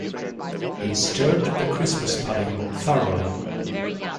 He stirred the Christmas pudding thoroughly.